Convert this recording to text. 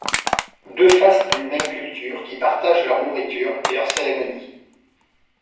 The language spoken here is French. Deux face d'une même culture, qui partagent leur nourriture et leurs cérémonies.